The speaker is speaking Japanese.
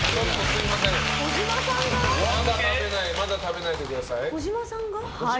まだ食べないでください。